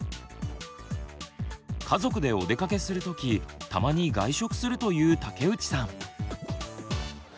家族でおでかけする時たまに外食するという武内さん。